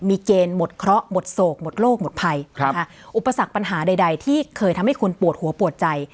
มีเกณฑ์หมดเคราะห์หมดโศกหมดโลกหมดภัยอุปสรรคปัญหาใดที่เคยทำให้คุณปวดหัวปวดใจ